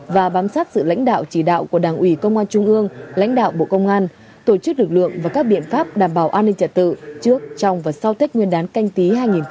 và bám sát sự lãnh đạo chỉ đạo của đảng ủy công an trung ương lãnh đạo bộ công an tổ chức lực lượng và các biện pháp đảm bảo an ninh trật tự trước trong và sau tết nguyên đán canh tí hai nghìn hai mươi